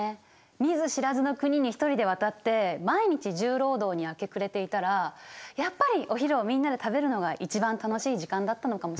見ず知らずの国に一人で渡って毎日重労働に明け暮れていたらやっぱりお昼をみんなで食べるのが一番楽しい時間だったのかもしれないね。